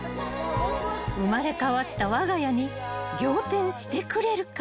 ［生まれ変わったわが家に仰天してくれるか］